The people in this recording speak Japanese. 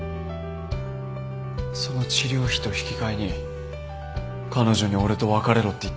その治療費と引き換えに彼女に俺と別れろって言ったんですか。